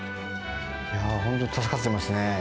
本当に助かってますね。